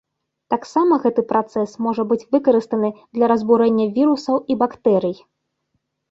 Таксама гэты працэс можа быць выкарыстаны для разбурэння вірусаў і бактэрый.